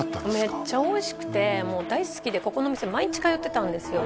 めっちゃおいしくてもう大好きでここのお店毎日通ってたんですよ